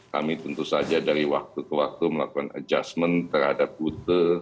kami tentu saja dari waktu ke waktu melakukan adjustment terhadap rute